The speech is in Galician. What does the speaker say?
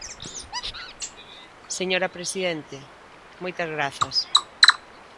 Señora presidente, moitas grazas.